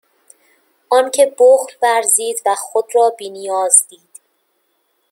آنکه بخل ورزید و خود را بینیاز دید